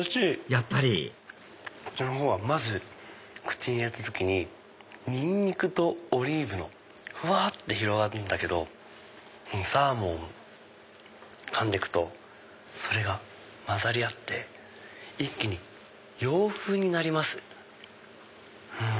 やっぱりこっちのほうはまず口に入れた時にニンニクとオリーブのふわって広がるんだけどサーモン噛んでくとそれが混ざり合って一気に洋風になります。